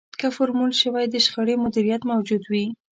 که فورمول شوی د شخړې مديريت موجود وي.